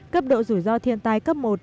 cấp độ rủi ro thiên tai cấp một